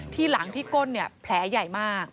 ที่หลังที่ก้นเนี่ยแผลใหญ่มาก